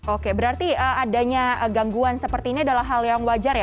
oke berarti adanya gangguan seperti ini adalah hal yang wajar ya